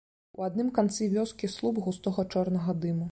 У адным канцы вёскі слуп густога чорнага дыму.